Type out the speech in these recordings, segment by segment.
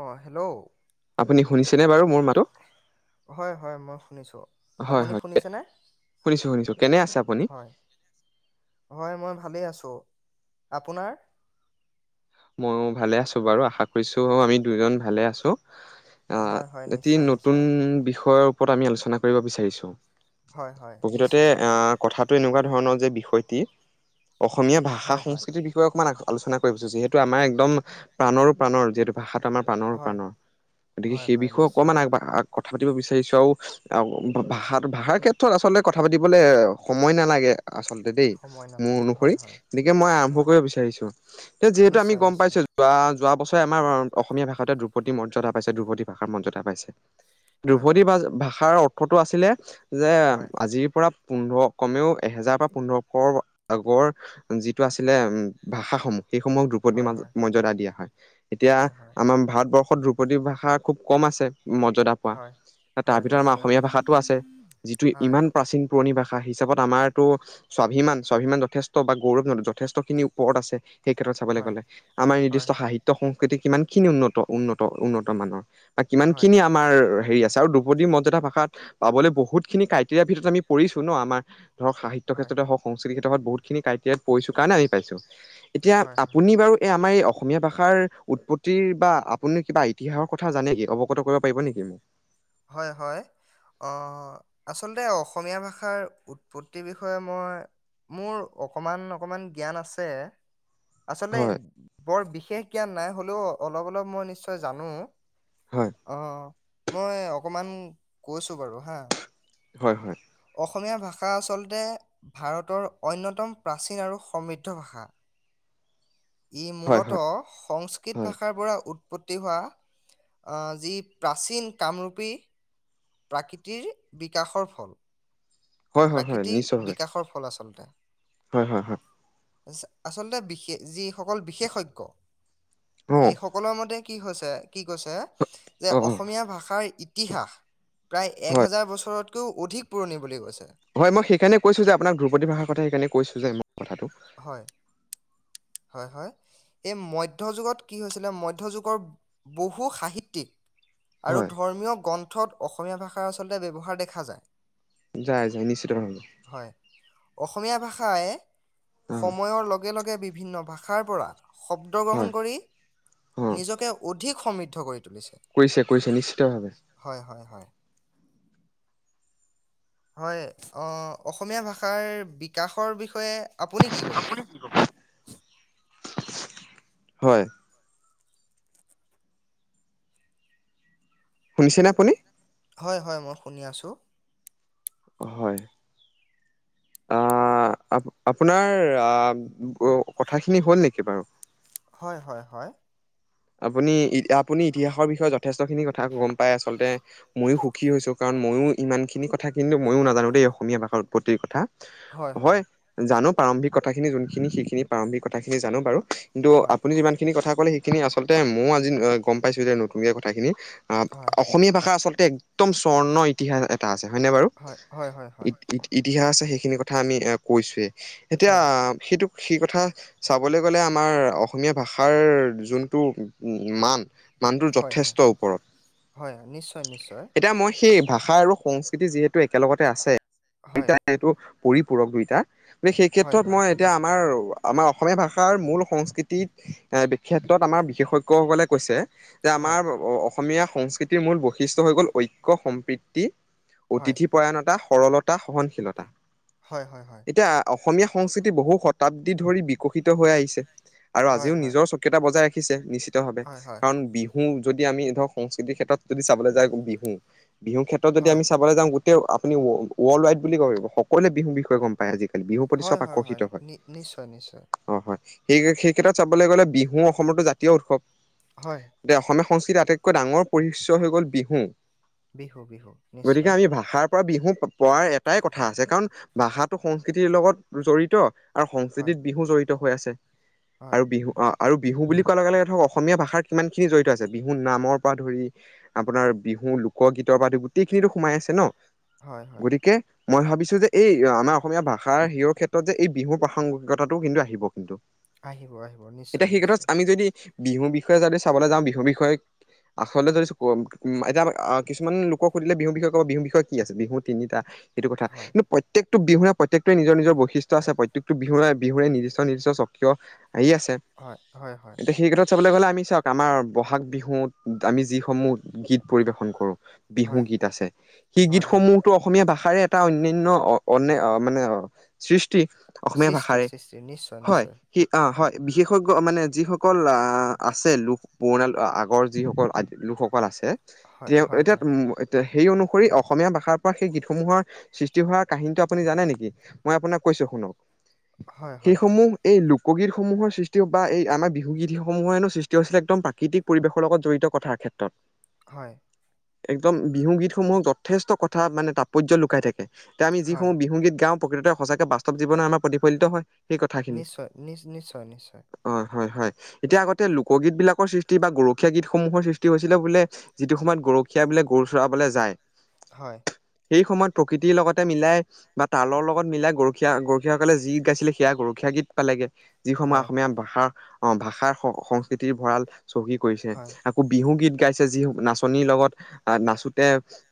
অ, hello. আপুনি, শুনিছেনে বাৰু মোৰ মাতো। হয়, হয় মই শুনিছোঁ। হয় আপুনি হয় শুনিছেনে, শুনিছো শুনিছো। কেনে আছে আপুনি? হয়। হয়, মই ভালেই আছো, আপোনাৰ? মইও ভালে আছো বাৰু। আশা কৰিছো আমি দুজন ভালে আছো। অ' হয় হয় এটি নিশ্চয় নতুন নিশ্চয় বিষয়ৰ ওপৰত আমি আলোচনা কৰিব বিচাৰিছোঁ। হয় হয় প্ৰকৃততে নিশ্চয় নিশ্চয় আহ কথা টো এনেকুৱা ধৰণৰ যে বিষয়টি অসমীয়া ভাষা হয় হয় সংস্কৃতিৰ বিষয়ে অকণমান আ-আলোচনা কৰিছো যিহেতু তু আমাৰ একদম প্ৰাণৰো প্ৰাণৰ যিহেতু। ভাষাটো আমাৰ প্ৰাণৰো হয় প্ৰাণৰ। গতিকে হয় সেই হয় বিষয়ে নিশ্চয় অকণমান আগবাহ আগ কথা পাতিব বিচাৰিছো আৰু। আৰু ভা-ভাষাটো, ভাষাৰ ক্ষেত্ৰত আচলতে কথা পাতিবলৈ সময় নালাগে আচলতে। তেদেই সময় মোৰ নালাগে অনুসৰি, হয় হয় গতিকে মই আৰম্ভ হয় কৰিব বিচাৰিছো। এই যিহেতু আমি নিশ্চয় গম নিশ্চয় পাইছো বা যোৱা বছৰে আমাৰ অসমীয়া ভাষাতে দ্ৰুপতি মৰ্য্যদা পাইছে। দ্ৰুপতি ভাষাৰ মৰ্য্যদা পাইছে। হয় দ্ৰুপতি হয় ভা-ভাষাৰ অৰ্থটো আছিলে যে, হয় আজিৰ পৰা পোন্ধৰ কমেও, এহেজাৰ পৰা পোন্ধৰশ আগৰ যিটো আছিলে উম, ভাষাসমূহ সেইসমূহক দ্ৰু দ্ৰুপতি হয় মাজত, হয় মৰ্য্যদা দিয়া হয়। এতিয়া হয় হয় আমাৰ ভাৰতবৰ্ষত দ্ৰু দ্ৰুপতি ভাষা খুব কম আছে, মৰ্য্যাদা পোৱা, হয় তাৰ হয় ভিতৰত আমাৰ নিশ্চয় অসমীয়া ভাষাটো আছে। যিটো হয় ইমান প্ৰাচীন পুৰণি ভাষা হিচাপত আমাৰতো স্বাভিমান, স্বাভিমান যথেষ্ট বা গৌৰৱ, যথেষ্ট খিনি ওপৰত আছে। সেই ক্ষেত্ৰত চা চাবলে হয় গ'লে, আমাৰ হয় নিৰ্দিষ্ট হয় সাহিত্য-সংস্কৃতি কিমান খিনি উন্নত, উন্নত, উন্নত মানৰ। কিমান হয় খিনি আমাৰ হেৰি আছে, আৰু দ্ৰপদী মৰ্য্যাদা ভাষা ভাষাত পাবলৈ বহুতখিনি ক্ৰাইটেৰিয়াৰ ভিতৰত আমি পৰিছো ন'। আমাৰ ধৰক সাহিত্য হয় ক্ষেত্ৰতে হওঁক সংস্কৃতি ক্ষেতৰত বহুত‌ খিনি ক্ৰাইটেৰিয়াত পঢ়িছো কাৰণে আহি পাইছো। এতিয়া হয় হয় আপুনি বাৰু এই আমাৰ এই অসমীয়া ভাষাৰ উৎপত্তিৰ বা আপুনি কিবা ইতিহাসৰ কথা জানে কি, অৱগত কৰিব পাৰিব নেকি? হয়, হয়। অ' আচলতে অসমীয়া ভাষাৰ উৎপত্তিৰ বিষয়ে মই মোৰ অকমান অকমান জ্ঞান আছে। আচলতে হয় বৰ বিশেষ জ্ঞান নাই, হ'লেও অলপ, অলপ মই নিশ্চয় জানো। হয়। অ' মই অকমান কৈছো বাৰু হা। হয়, হয়। অসমীয়া ভাষা আচলতে, ভাৰতৰ অন্যতম প্ৰাচীন আৰু সমৃদ্ধ ভাষা। ই হয় হয় মূলতঃ সংস্কৃত হয় ভাষাৰ পৰা উৎপত্তি হোৱা আ যি প্ৰাচীন কামৰূপী প্ৰাকৃতিৰ বিকাশৰ ফল। হয় হয় হয় প্ৰাকৃতিৰ নিশ্চয়ভাৱে বিকাশৰ ফল আচলতে। হয় হয় হয় আচ-আচলতে বিশেষ, যিসকল বিশেষজ্ঞ হয় অ সেই সকল কৰৰ মতে কি হৈছে, কি কৈছে যে অ অ অসমীয়া ভাষাৰ ইতিহাস, প্ৰায় এক হয় হাজাৰ বছৰত কৈও অধিক পুৰণি বুলি কৈছে। হয়, মই সেইকাৰণে কৈছো যে আপোনাক দ্ৰুপদী ভাষাৰ কথা সেইকাৰণে কৈছো যে, মোৰ কথাটো। হয়, হয়, হয়। এই মধ্য যুগত কি হৈছিলে, মধ্য যুগৰ বহু সাহিত্যিক আৰু হয় ধৰ্মীয় গ্ৰন্থত অসমীয়া ভাষাৰ আচলতে ব্যৱহাৰ দেখা যায়। যাই যাই, নিশ্চিত ভাবে। হয়, অসমীয়া ভাষাই এ অ সময়ৰ লগে লগে বিভিন্ন ভাষাৰ পৰা শব্দ গ্ৰহণ হয় কৰি, অ নিজকে অধিক সমৃদ্ধ কৰি তুলিছে। কৰিছে কৰিছে নিশ্চিতভাৱে হয় হয় হয়। হয় অ অসমীয়া ভাষাৰ বিকাশৰ বিষয়ে আপুনি কি ক'ব। হয়। শুনিছেনে আপুনি। হয় হয় মই শুনি আছোঁ। হয় আহ। আ আপ আপোনাৰ কথাখিনি হ'ল নেকি বাৰু হয় হয় হয়। আপুনি আপুনি ইতিহাসৰ বিষয়ে যথেষ্ট খিনি কথা গম পাই আচলতে ময়ো সুখী হৈছোঁ। কাৰণ ময়ো ইমানখিনি কথা কিন্তু ময়ো নাজানো দেই অসমীয়া ভাষাৰ উৎপত্তিৰ কথা হয়। জানো প্ৰাৰম্ভিক কথাখিনি যোনখিনি সেইখিনি প্ৰাৰম্ভিক কথাখিনি জানো বাৰু কিন্তু হয় আপুনি যিমান, সখিনি কথা ক'লে সেইখিনি আচলতে ময়োও আজি গম পাইছো যে নতুনকে কথা খিনি হয় অসমীয়া ভাষা আচলতে একদম স্বৰ্ণ ইতিহাস এটা আছে হয়নে বাৰু হয় হয় হয় ইতিহাস আছে সেইখিনি কথা আমি এ কৈছোৱয়েই এতিয়া হয় সেইটো, সেই কথা চাবলৈ গ'লে আমাৰ অসমীয়া ভাষাৰ যোন, টো উ মান, মানটোৰ হয় হয় যথেষ্ট হয় ওপৰত হয় নিশ্চয় নিশ্চয় এতিয়া মই সেই ভাষা আৰু সংস্কৃতি যিহেতু একেলগতে আছে। হয়। এইটো পৰিপূৰক দুইটা সেই হয় ক্ষেত্ৰত হয় মই এতিয়া, আমাৰ আমাৰ অসমীয়া ভাষাৰ মূল সংস্কৃতিত এ বিখ্যাত, আমাৰ বিশেষজ্ঞই সকলে কৈছে যে হয় আমাৰ অস অসমীয়া সংস্কৃতিৰ মূল বৈশিষ্টয় হৈ গ'ল ঐক্য সম্প্ৰীতি হয় অতিথি, পয়ণতা সৰলতা সহনশীলতা। হয় হয় হয়। এতিয়া অসমীয়া সংস্কৃতি বহু শতাব্দী ধৰি বিকশিত হৈ আহিছে আৰু হয় আজিও হয় নিজৰ, কেইটা বজাই ৰাখিছে নিশ্চিতভাৱে হয় হয় কাৰণ বি বিহু যদি আমি ধৰক সংস্কৃতিৰ ক্ষেত্ৰত যদি চাবলৈ যায় বিহু বিহু ক্ষেত্ৰত যদি হয় আমি চা যাওঁ গোটেই আপু ৱৰ্ল্ড ৱাইড বুলি ক সকলোৱে বিহু বিষয়ে গম পায় আজি। বিহুৰ প্ৰতি হয় চব আকৰ্ষিত হয়। নি নিশ্চয় নিশ্চয় অ হয় সেই সেই ক্ষেত্ৰত চাবলৈ গ'লে বিহু অসমতো জাতীয় উৎসৱ। হয়। এতিয়া অসমীয়া সংস্কৃতিৰ আটাইতকৈ ডাঙৰ পৰিশ্য হৈ গল বিহু। বিহু বিহু গতিকে নিশ্চয় আমি ভাষাৰ, পৰা বিহু পয়াই এটাই কথা আছে কাৰণ ভাষাটো সংস্কৃতিৰ লগত জড়িত। আৰু হয় সংস্কৃতিত বিহু জড়িত হৈ আছে। হয়। অহ আৰু বিহু বুলি কোৱাৰ লগে লগে ধৰক অসমীয়া ভাষাৰ কিমানখিনি জড়িত আছে বিহু নামৰ পৰা ধৰি, আপোনাৰ বিহু লোকগীতৰ বা গোটেইখিনিটো সোমাই আছে ন হয় হয় গতিকে, মই ভাবিছো যে এই আমাৰ অসমীয়া ভাষাৰ হেৰ ক্ষেত্ৰত যে এই বিহুৰ প্ৰাসংগিকতাটো কিন্তু আহিব। আহিব আহিব নিশ্চয়। এতিয়া সেই ক্ষেত্ৰত নিশ্চয় আমি যদি বিহুৰ বিষয়ে যদি চাবলৈ যাওঁ বিহুৰ বিষয়ে। আচলতে যদি উ এতিয়া কিছুমান লোকক সুধিলে বিহুৰ বিষয়ে ক'ব বিহুৰ বিষয়ে কি আছে বিহু তিনিটা, সেইটো কথা হয় কিন্তু প্ৰ প্ৰত্যেকটো বিহুয়ে প্ৰত্যেকোৱে নিজ নিজ বৈশিষ্ট্য আ প্ৰত্যেকটো বিহুয়ে বিহুয়ে নিৰ্দিষ্ট নিৰ্দিষ্ট স্বকীয়। আয়ি আছে। হয়, হয় হয়। সেই ক্ষেত্ৰত চাবলে গলে আমি চাওক, আমাৰ বহাগ বিহুত আমি যিসমূহ গীত পৰিবেশন কৰো- বিহু হয় গীত আছে, সেই হয়, হয়। গীতসমূহতো- অসমীয়া ভাষাৰে এটা অন্যান্য অ অ মানে সৃষ্টি। অসমীয়া সৃষ্টি, ভাষাৰে, সৃষ্টি নিশ্চয়, হয় নিশ্চয়। সি অঁ হয়। বিশেষজ্ঞ মানে, যিসকল আছে লোক- পুৰণা আগৰ যিসকল আদি লোকসকল আছে, হয়, তেওঁ হয়, এতিয়া- হয়। তে সেই অনুসৰি অসমীয়া ভাষাৰ পৰা সেই গীতসমূহৰ- সৃষ্টি হোৱাৰ কাহিনিটো আপুনি জানে নেকি? মই আপোনাক কৈছো শুনক। হয়, সেই হয়, সমূহ এই লোকগীত সমূহৰ সৃষ্ট- টিও বা এই আমাৰ বিহু গীত সমূহ হেনো সৃষ্টি হৈছিলে একদম প্ৰাকৃতিক পৰিৱেশৰ লগত জড়িত কথাৰ ক্ষেত্ৰত। হয়। একদম বিহু গীতসমূহত যথেষ্ট কথা মানে তাৎপৰ্য লুকাই থাকে। এতিয়া আমি যি হয়। সমূহ বিহুগীত গাওঁ প্ৰকৃততে সঁচাকে বাস্তৱ জীৱনত আমাৰ প্ৰতিফলিত হয়। নিশ্চয়, নিশ নিশ্চয় নিশ্চয়। অঁ' হয় হয়, এতিয়া আগতে লোকগীত বিলাকৰ সৃষ্টি বা গৰখীয়া গীতসমূহৰ সৃষ্টি হৈছিলে বোলে- যিটো সময়ত গৰখীয়া বিলাক গৰু চৰাবলে যায়, - হয়। সেই সময়ত প্ৰকৃতিৰ লগতে মিলাই- বা তালৰ লগত মিলাই গৰখীয়া গৰখীয়াসকলে যি গাইছিলে সেয়া গৰখীয়া গীত পালেগে। যিসমূহে হয়, অসমীয়া ভাষাৰ অঁ' ভাষাৰ সংস্কৃতিৰ ভঁৰাল চহী কৰিছে- হয়, আকো বিহু গীত গাইছে যি নাচনীৰ লগত- নাচোতে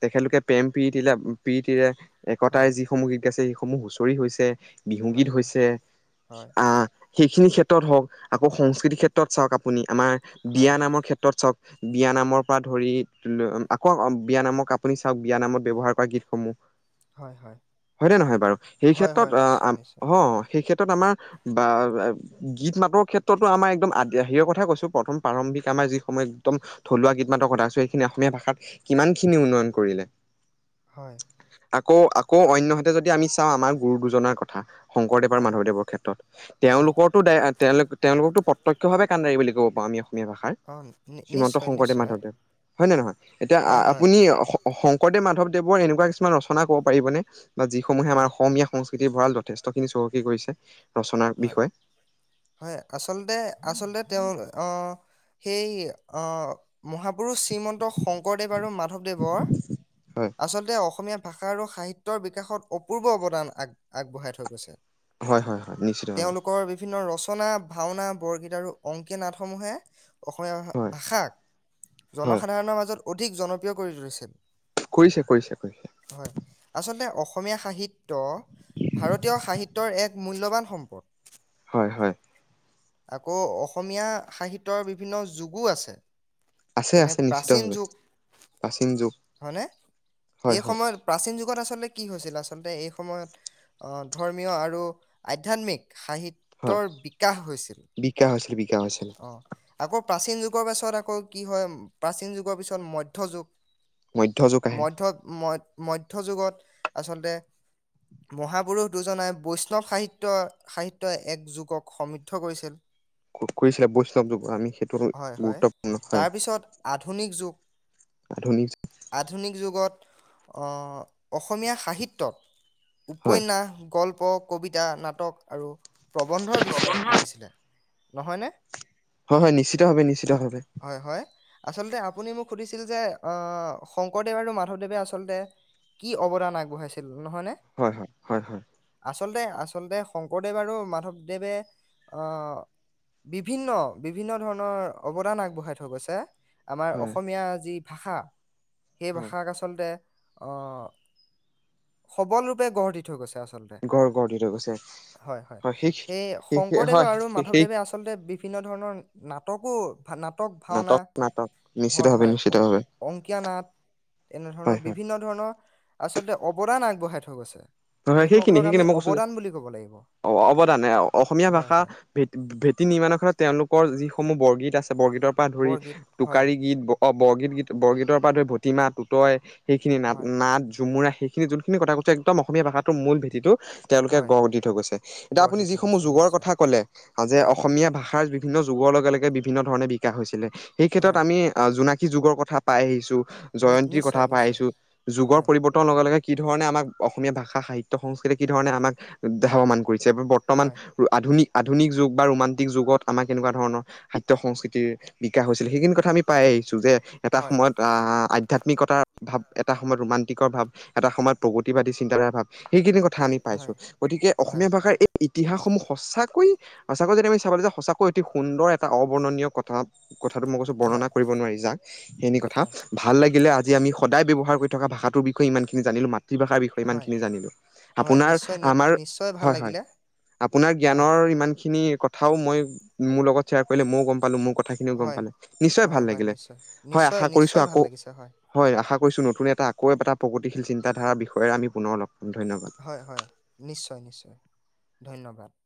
তেখেতলোকে প্ৰেম প্ৰিতি লে প্ৰিতিৰে- একতাই হয়, যিসমূহ গীত গাইছে, সেইসমূহ হুঁচৰি হৈছে হয়, বিহুগীত হয়, হৈছে। হয়, আঁহ- সেইখিনি ক্ষেত্ৰত হওঁক, আকৌ সংস্কৃতিৰ ক্ষেত্ৰত চাওক আপুনি আমাৰ হয়, বিয়া নামৰ ক্ষেত- ত্ৰত চাওক বিয়া নামৰ পৰা ধৰি আকৌ বিয়া নামৰ কা- আপুনি চাওক বিয়া নামত ব্যৱহাৰ কৰা গীতসমূহ। হয়, হয়। হয়নে নহয় বাৰু? সেই হয়, হয়, ক্ষেত্ৰত আ নিশ্চয়, নিশ্চয়। অ অঁ'- সেই ক্ষেত্ৰত আমাৰ বা- গীত মাতৰ ক্ষেত্ৰতো আমাৰ একদম আদিৰাহিৰ কথা কৈছো প্ৰথম প্ৰাৰম্ভিক আমাৰ যি সময় একদম- থলুৱা গীটমাতৰ কথা কৈছো এইখিনি অসমীয়া ভাষাত কিমান খিনি উন্নয়ন কৰিলে। হয়। আকৌ আকৌ অন্যহাতে যদি আমি চাওঁ আমাৰ গুৰু দুজনাৰ কথা। শংকৰদেৱ আৰু হয়, মাধৱদেৱৰ ক্ষেত্ৰত। হয়। তেওঁলোকৰ- তেওঁলোক তেওঁলোককতো প্ৰত্যক্ষ ভাৱে কানদাৰী বুলি কব পাৰো আমি অসমীয়া ভাষাত, অ' নি শ্ৰীমন্ত নিশ্চয়, শংকৰদেৱ নিশ্চয়। মাধৱদেৱ। হয় নে নহয়? এতিয়া আ হয়, হয়, আপুনি- কে শংকৰদেৱ মাধৱ দেৱৰ এনেকুৱা কিছুমান ৰচনা কব পাৰিবনে বা যিসমূহে আমাৰ হয়, অসমীয়া- সংস্কৃতিৰ ভঁৰাল যথেষ্টখিনি চহকী কৰিছে ৰচনাৰ হয়, বিষয়ে। হয়, আচলতে আচলতে তেওঁ অঁহ সেই অঁহ- মহাপুৰুষ শ্ৰীমন্ত শংকৰদেৱ আৰু মাধৱদেৱৰ হয় আচলতে অসমীয়া- ভাষা আৰু সাহিত্যৰ বিকাশত অপূৰ্ব অৱদান আগ আগবঢ়াই থৈ গৈছে। হয় হয় হয়' নিশ্চিতভাৱে। লোকৰ বিভিন্ন ৰচনা, ভাওনা, বৰগীত আৰু অংকীয়া নাটসমূহে- অসমীয়া হয় ভাষাক হয় জনসাধাৰণৰ মাজত অধিক জনপ্ৰিয় কৰি তুলিছিল। কৰিছে কৰিছে কৰিছে। হয়, আচলতে অসমীয়া সাহিত্য ভাৰতীয় সাহিত্যৰ এক মূল্যবান সম্পদ। হয় হয়। আকৌ অসমীয়া সাহিত্যৰ বিভিন্ন যুগো আছে। আছে যেনে আছে প্ৰাচীন নিশ্চিতভাৱে যুগ, প্ৰাচীন যুগ হয়নে হয় এই হয় সময়ত প্ৰাচীন যুগত আচলতে কি হৈছিল আচলতে এই সময়ত অ ধৰ্মীয় আৰু আধ্যাত্মিক হয় সাহিত্যৰ বিকাশ হৈছিল বিকাশ হৈছিল বিকাশ হৈছিল অ'। আকৌ প্ৰাচীন যুগৰ পাছত আকৌ কি হয় প্ৰাচীন যুগৰ পিছত মধ্য যুগ। মধ্য যুগ আহে মধ্য ম মধ্য যুগত আচলতে মহাপুৰুষ দুজনাই বৈষ্ণৱ সাহিত্যৰ সাহিত্যই এক যুগক সমৃদ্ধ কৰিছিল। ক কৰিছিলে বৈষ্ণৱ যুগৰ আমি সেইটো হয় হয় গুৰুত্বপূৰ্ণ হয়। তাৰপিছত আধুনিক যুগ আধুনিক আধুনিক যুগত অ অসমীয়া সাহিত্যত হয় উপন্যাস, গল্প, কবিতা, নাটক আৰু প্ৰবন্ধৰ বিস্তাৰ ঘটিছিলে। নহয়নে? হয় হয় নিশ্চিতভাৱে নিশ্চিতভাৱে। হয় হয়, আচলতে আপুনি মোক সুধিছিল যে আহ' শংকৰদেৱ আৰু মাধৱদেৱে আচলতে কি অৱদান আগবঢ়াইছিল নহয়নে? হয়, হয়, হয়, হয়। আচলতে আচলতে শংকৰদেৱ আৰু মাধৱদেৱে অ বিভিন্ন বিভিন্ন ধৰণৰ অৱদান আগবঢ়াই থৈ গৈছে। আমাৰ হয় অসমীয়া যি ভাষা সেই হয় ভাষাক আচলতে অ', সবল ৰূপে গঢ় দি থৈ গৈছে আচলতে। হয় গঢ় দি থৈ গৈছে। হয়, হয়, এই সেই শংকৰদেৱ হয় আৰু সেই মাধৱদেৱে আচ চলতে বিভিন্ন ধৰণৰ নাটকো ভা নাটক - ভাওনা নাটক নাটক হয় নিশ্চিতভাৱে হয়, অ নিশ্চিতভাৱে অংকীয়া নাট তেনেধৰণৰ হয় হয় বিভিন্ন ধৰণৰ আচলতে অৱদান আগবঢ়াই থৈ গৈছে। সেইসকলক আমি অৱদান বুলি ক'ব লাগিব। অ' অৱদানে আও অসমীয়া হয় ভাষা হয় ভেট ভেটি নিৰ্মাণৰ তেওঁলোকৰ যিসমূহ বৰগীত আছে, বৰগীতৰ পৰা ধৰি বৰগীত হয়। টোকাৰী গীত ব অ বৰগীত গীত, বৰগীতৰ পৰা ধৰি ভটিমা, টোতই সেইখিনি নাট হয় নাট, ঝুমুৰা সেই খিনি যোনখিনি কথা কৈছে একদম অসমীয়া ভাষাটোৰ মূল ভেটিটো তেওঁলোকে হয় গঢ় দি থৈ গৈছে এতিয়া গঢ় আপুনি দি থৈ যিসমূহ গৈছে যুগৰ নিশ্চয় কথা ক'লে আ যে হয় হয় অসমীয়া ভাষাৰ বি ভিন্ন যুগৰ লগে লগে বিভিন্ন ধৰণে বিকাশ হৈছিলে সেই ক্ষেত্ৰত হয় আমি আ জোনাকি যুগৰ কথা পাই আহিছো। নি জয়ন্তীৰ কথা নিশ্চয় নিশ্চয় পাইছো, যুগৰ হয় পৰিৱৰ তন লগে লগে কি ধৰণে আমাক অসমীয়া ভাষা, সাহিত্য, সংস্কৃতি কি ধৰণে আমাক উম সাৱমান কৰিছে, আমি ব তমান হয় আধুনিক আধুনিক যুগ বা ৰোমাণ্টিক যুগত আমাক কেনেকুৱা ধৰণৰ খাদ্য - সংস্কৃতিৰ বিকাশ হৈছিল সেইখিনি কথা আমি পাই আহিছো যে এটা হয় সময়ত আ আধ্যয়াত্মিকতাৰ ভাৱ, এটা সময়ত ৰোমানাটিকৰ ভাৱ, এটা সময়ত প্ৰগতিবাদী চি চিন্তাধাৰা ভাৱ সেইখিনি কথা আমি পাইছো হয় গতিকে হয় অসমীয়া ভাষাৰ এই ইতিহাসসমূহ সঁচাকৈ, সঁচাকৈ যদি আমি চাবলৈ যাওঁ সঁচাকৈ অতি সুন্দৰ এটা অৱৰ্ণনীয় কথা। কথাটো মই কৈছো হয় বৰ্ণনা কৰিব নোৱাৰি যাক [unintelligible] কথা। হয় ভাল লাগিলে আজি আমি সদায় ব্যৱহাৰ কৰি থকা ভাষাটো বিষয়ে ইমানখিনি জানিলো মাতৃভাষাৰ বিষ হয় ইমানখিনি জানিলো হয় আপোনাৰ নিশ্চয় নি- আমাৰ নিশ্চয় ভাল হয়, হয়। লাগিলে আপোনাৰ হয় জ্ঞানৰ ইমান খিনি কথাও মই মোৰ লগত শ্বেয়াৰ কৰিলে মইও গ'ম পালো মোৰ কথা খিনিও গ'ম হয়, পালে নিশ্চয় ভাল হয়, হয় লাগিলে নিশ্চয়, হয় নিশ্চয়, আশা কৰিছো নিশ্চয় ভাল আকৌ লাগিছে হয় আশা কৰিছোঁ নতুন এটা আকৌ এটা প্ৰগতিশীল চিন্তাধাৰ বিষয়েৰে আমি পুনৰ লগ পাম ধন্যবাদ। হয়, হয় নিশ্চয়, নিশ্চয় ধন্যবাদ।